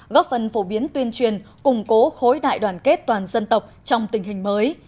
góp phần phổ biến tuyên truyền củng cố khối đại đoàn kết toàn dân tộc trong tình hình mới